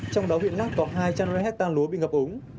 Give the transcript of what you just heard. trong đó huyện lắc có hai trăm linh hectare lúa bị ngập ống